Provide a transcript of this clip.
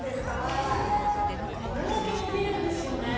これだけ伸びるんですよね。